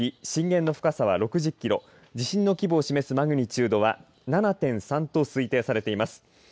震源の深さは６０キロ地震の規模を示すマグニチュードは７．３と推定されています。